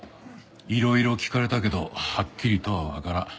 いろいろ聞かれたけどはっきりとはわからん。